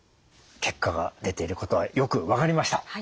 結果が出ていることはよく分かりました。